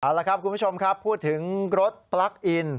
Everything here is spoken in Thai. เอาละครับคุณผู้ชมครับพูดถึงรถปลั๊กอิน